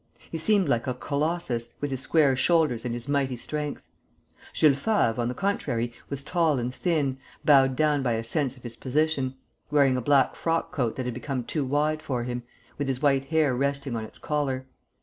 He seemed like a colossus, with his square shoulders and his mighty strength. Jules Favre, on the contrary, was tall and thin, bowed down by a sense of his position, wearing a black frock coat that had become too wide for him, with his white hair resting on its collar.